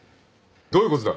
どういうことだ。